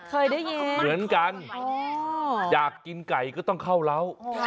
เคยได้ยินเหมือนกันอยากกินไก่ก็ต้องเข้าเล้า